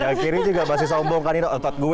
yang kiri juga masih sombong kan otot gue otot gue